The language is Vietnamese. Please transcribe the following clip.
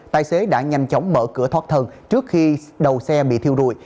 tài xế đã nhanh chóng mở cửa thoát thân trước khi đầu xe bị thiêu rụi